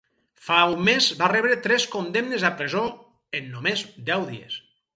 Fa un mes, va rebre tres condemnes a presó en només deu dies.